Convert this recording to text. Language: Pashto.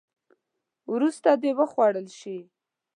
وروسته دې وخوړل شي.